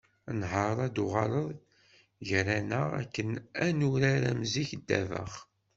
Nḥar ad d-tuɣaleḍ gar-aneɣ akken ad nurar am zik ddabex.